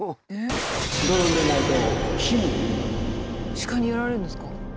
鹿にやられるんですか？